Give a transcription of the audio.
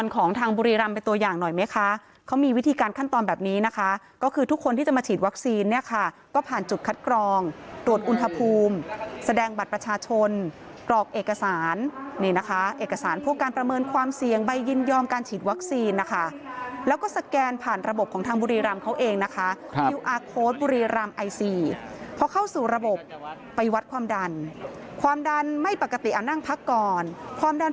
ของทางบุรีรัมป์เป็นตัวอย่างหน่อยไหมคะเขามีวิธีการขั้นตอนแบบนี้นะคะก็คือทุกคนที่จะมาฉีดวัคซีนเนี่ยค่ะก็ผ่านจุดคัดกรองตรวจอุณหภูมิแสดงบัตรประชาชนกรอกเอกสารเนี่ยนะคะเอกสารพวกการประเมินความเสี่ยงใบยินยอมการฉีดวัคซีนนะคะแล้วก็สแกนผ่านระบบของทางบุรีรัมป์เขาเองนะคะ